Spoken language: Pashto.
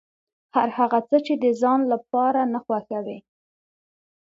هر هغه څه چې د ځان لپاره نه خوښوې.